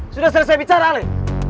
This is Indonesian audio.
sudah selesai bicara ale